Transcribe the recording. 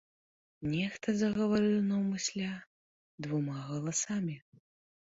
Нехта загаварыў наўмысля двума галасамі.